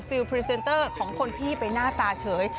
พรีเซนเตอร์ของคนพี่ไปหน้าตาเฉย